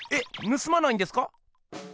ぬすまないんですか？